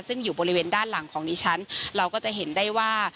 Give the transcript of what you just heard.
ซึ่งอยู่บริเวณด้านหลังของดิฉันเราก็จะเห็นได้ว่า